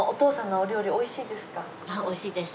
おいしいですよ。